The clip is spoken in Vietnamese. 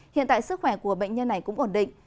hiện tại sức khỏe của bệnh nhân này cũng ổn định